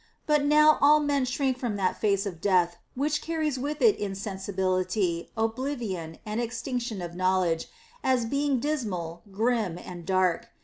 But now all men shrink from that face of death which cames with it insen sibility, oblivion, and extinction of knowledge, as being dis mal, grim, and dark.